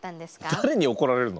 誰に怒られるの？